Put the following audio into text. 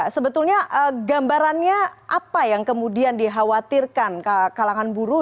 sebetulnya gambarannya apa yang kemudian dikhawatirkan kalangan buruh